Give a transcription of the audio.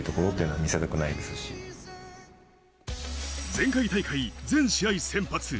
前回大会、全試合先発。